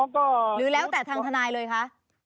ก็หรือแล้วแต่ทางทนายเลยคะ